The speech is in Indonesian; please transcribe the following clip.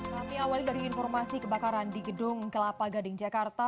kami awali dari informasi kebakaran di gedung kelapa gading jakarta